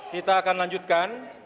kita akan lanjutkan